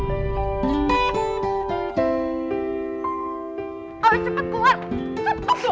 ayo cepat keluar